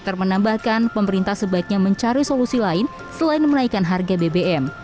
dokter menambahkan pemerintah sebaiknya mencari solusi lain selain menaikkan harga bbm